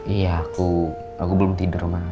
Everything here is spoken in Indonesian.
iya aku aku belum tidur mah